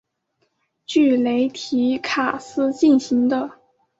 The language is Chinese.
据雷提卡斯进行的。